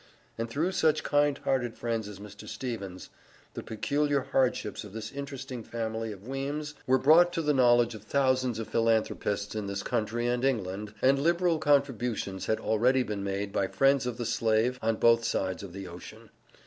And through such kind hearted friends as Mr. Stevens, the peculiar hardships of this interesting family of Weems' were brought to the knowledge of thousands of philanthropists in this country and England, and liberal contributions had already been made by friends of the Slave on both sides of the ocean.